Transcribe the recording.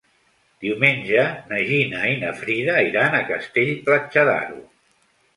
Diumenge na Gina i na Frida iran a Castell-Platja d'Aro.